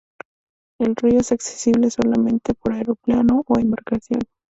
El río es accesible solamente por aeroplano o embarcación.